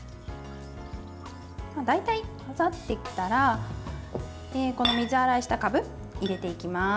大体混ざってきたら水洗いしたかぶを入れていきます。